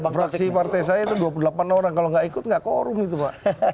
fraksi partai saya itu dua puluh delapan orang kalau nggak ikut nggak koorum itu pak